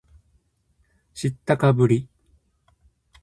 知ったかぶり